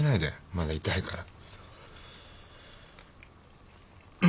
まだ痛いから。